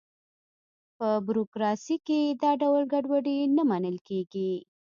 په بروکراسي کې دا ډول ګډوډي نه منل کېږي.